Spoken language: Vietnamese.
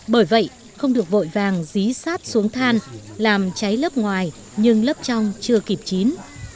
bởi vậy không được vội vàng dí sát xuống than làm cháy lớp ngoài nhưng lớp trong chưa kịp chín